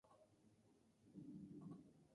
Se usa para el abastecimiento de agua.